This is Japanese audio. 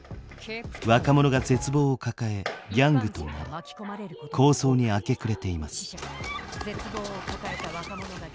若者が絶望を抱えギャングとなり抗争に明け暮れています。